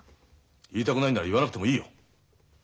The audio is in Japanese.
言いたくないなら言わなくてもいいよ。